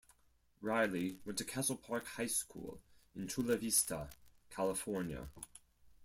Riley went to Castle Park High School in Chula Vista, California.